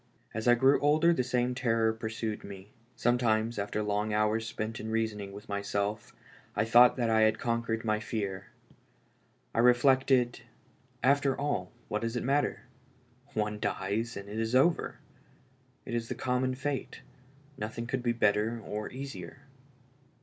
As I grew older the same terror pursued me. Some times, after long hours spent in reasoning with myself, I* thought that I had conquered my fear. I reflected, 15 242 ALIVE IN DEATH. "After all, wliat does it matter? One dies and all is over. It is the common fate ; nothing could be better or easier."